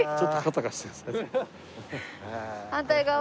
反対側は？